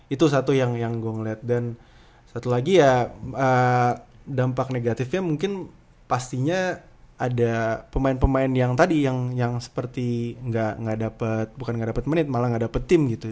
itu satu yang gue ngeliat dan satu lagi ya dampak negatifnya mungkin pastinya ada pemain pemain yang tadi yang seperti nggak dapat bukan gak dapet menit malah gak dapet tim gitu